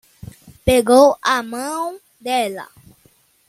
Pegou a mão dela